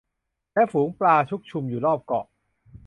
และฝูงปลาชุกชุมอยู่รอบเกาะ